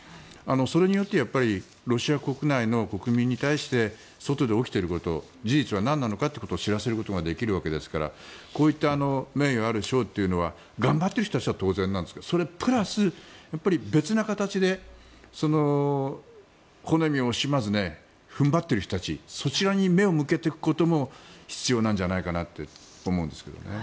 それによってロシア国内の国民に対して外で起きていること事実はなんなのかを知らせることができるわけですからこういった名誉ある賞というのは頑張っている人たちは当然ですがそれプラス、別な形で骨身を惜しまず踏ん張っている人たちそちらに目を向けていくことも必要なんじゃないかなと思うんですけどね。